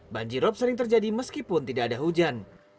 banjirop sering terjadi meskipun tidak ada hujan